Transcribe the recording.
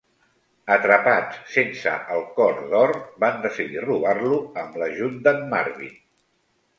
Atrapats sense el "Cor d'or", van decidir robar-lo amb l'ajut d'en Marvin.